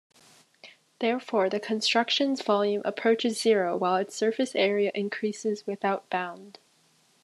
Therefore the construction's volume approaches zero while its surface area increases without bound.